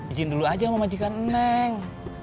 ijin dulu aja sama majikan neng